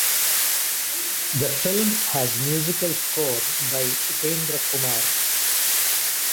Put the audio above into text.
The film has musical score by Upendra Kumar.